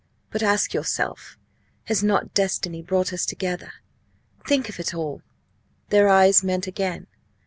But ask yourself has not destiny brought us together? Think of it all!" Their eyes met again.